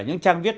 những trang viết